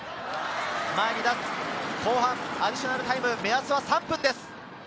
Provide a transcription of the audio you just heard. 後半アディショナルタイム、目安は３分です。